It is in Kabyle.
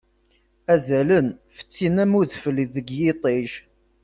Azalen, fessin am udfel deg yiṭij.